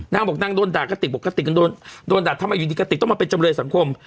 นางบอกนางโดนด่ากติกปกติโดนด่าทำไมอยู่ดีกระติกต้องมาเป็นจำเลยสังคม